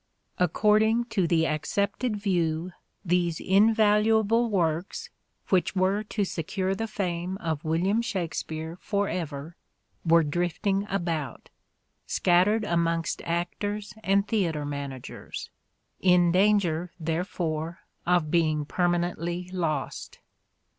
According to the accepted view these invaluable works, which were to secure the fame of " William Shackspeare, for ever " were drifting about, scattered amongst actors and theatre managers ; in danger therefore of being permanently lost.